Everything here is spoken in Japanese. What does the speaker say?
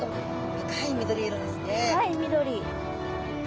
深い緑。